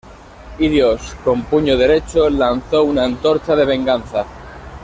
Y Dios, con puño derecho, lanzó una antorcha de venganza.